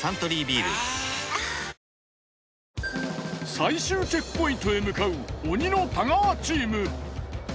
最終チェックポイントへ向かう鬼の太川チーム。